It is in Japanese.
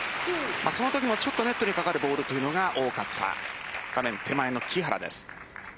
そのときにネットに架かるボールが多かった画面手前の木原です。